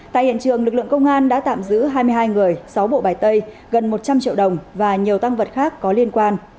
tại hiện trường lực lượng công an đã tạm giữ hai mươi hai người sáu bộ bài tay gần một trăm linh triệu đồng và nhiều tăng vật khác có liên quan